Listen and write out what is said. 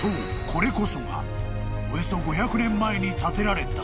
これこそがおよそ５００年前に建てられた］